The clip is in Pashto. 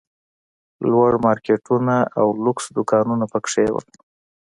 لوړ مارکېټونه او لوکس دوکانونه پکښې وو.